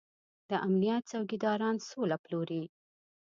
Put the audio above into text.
د امنيت څوکيداران سوله پلوري.